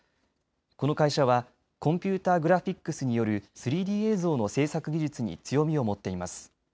この会社はコンピューターグラフィックスによる３Ｄ映像の制作技術に強みを持っています。